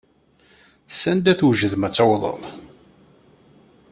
Sanda i twejdem ad tawḍem?